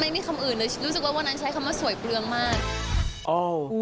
ไม่มีคำอื่นเลยรู้สึกว่าวันนั้นใช้คำว่าสวยเปลืองมาก